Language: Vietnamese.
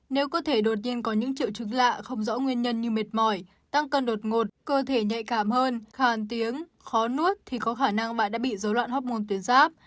nếu cơ thể đột nhiên có những triệu chứng lạ không rõ nguyên nhân như mệt mỏi tăng cân đột ngột cơ thể nhạy cảm hơn khàn tiếng khó nuốt thì có khả năng bạn đã bị dối loạn hoc mon tuyến giáp